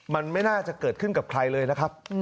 มันไม่น่าจะเกิดขึ้นกับใครเลยนะครับ